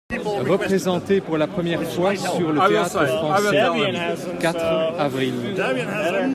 Représentée pour la première fois sur le Théâtre-Français (quatre avr.